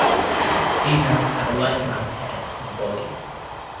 Females have a light brown head and body.